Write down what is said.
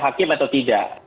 hakim atau tidak